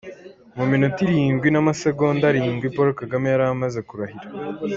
Mu minota irindwi n’amasegonda arindwi, Paul Kagame yari amaze kurahira.